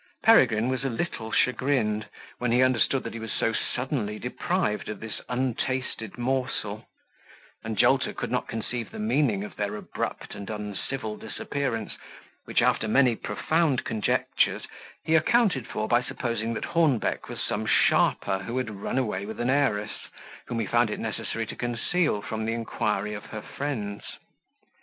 Peregrine was a little chagrined, when he understood that he was so suddenly deprived of this untasted morsel; and Jolter could not conceive the meaning of their abrupt and uncivil disappearance, which, after many profound conjectures, he accounted for, by supposing that Hornbeck was some sharper who had run away with an heiress, whom he found it necessary to conceal from the inquiry of her friends.